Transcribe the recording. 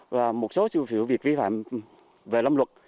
và một số rượu việc vi phạm về lâm luật